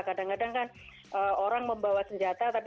kadang kadang kan orang membawa senjata